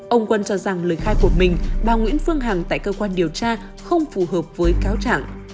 ông quân cho rằng lời khai của mình bà nguyễn phương hằng tại cơ quan điều tra không phù hợp với cáo trạng